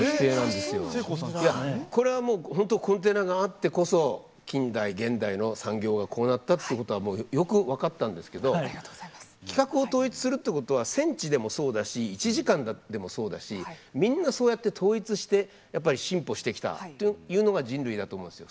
これはもう本当コンテナがあってこそ近代現代の産業がこうなったってことはよく分かったんですけど規格を統一するってことはセンチでもそうだし１時間でもそうだしみんなそうやって統一して進歩してきたというのが人類だと思うんですよ。